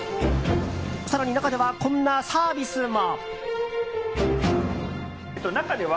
更に中ではこんなサービスも。